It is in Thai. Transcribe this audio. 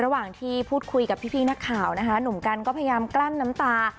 ระหว่างที่พูดคุยกับพี่นักข่าวนะคะหนุ่มกันก็พยายามกลั้นน้ำตา